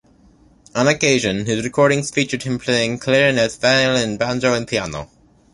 On occasion his recordings have featured him playing clarinet, violin, banjo and piano.